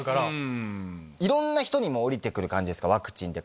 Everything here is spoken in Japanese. いろんな人にも下りてくる感じですか、ワクチンって。